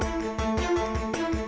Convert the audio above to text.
tidak ada tanah tanah